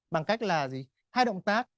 bằng cách là hai động tác